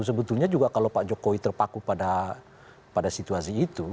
sebetulnya juga kalau pak jokowi terpaku pada situasi itu